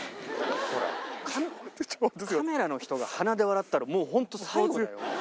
カメラの人が鼻で笑ったらもう本当、最後だよ。